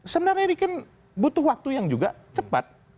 sebenarnya ini kan butuh waktu yang juga cepat